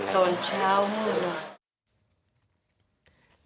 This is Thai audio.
ตอนเช้ามืดนะ